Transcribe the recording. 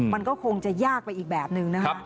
มันก็คงจะยากไปอีกแบบนึงนะคะ